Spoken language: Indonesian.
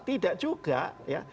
tidak juga ya